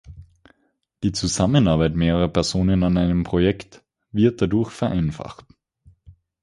Die Zusammenarbeit mehrerer Personen an einem Projekt wird dadurch vereinfacht.